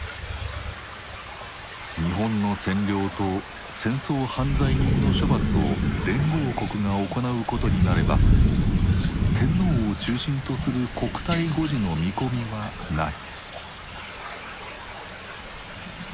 日本の占領と戦争犯罪人の処罰を連合国が行うことになれば天皇を中心とする国体護持の見込みはない。